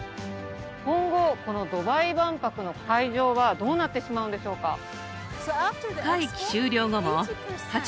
今後このドバイ万博の会場はどうなってしまうんでしょうか？